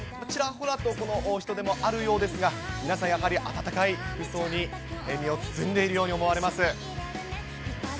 ちらほらと人出もあるようですが、皆さんやはり、暖かい服装に身を包んでいるように思われます。